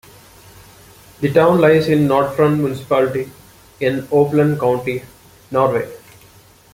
The town lies in Nord-Fron municipality in Oppland County, Norway.